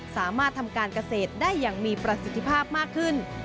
สามารถทำการเกษตรได้อย่างมีประสิทธิภาพมากขึ้น